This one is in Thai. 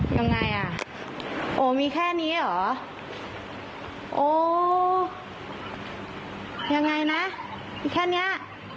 ยังไงอ่ะโอ้มีแค่นี้เหรอโอ้ยังไงนะแค่เนี้ย